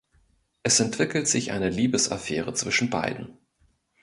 Es entwickelt sich eine Liebesaffäre zwischen beiden.